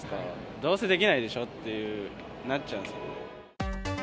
どうせできないでしょってなっちゃいますよね。